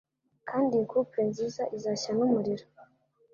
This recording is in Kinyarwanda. Kandi iyi couple nziza izashya numuriro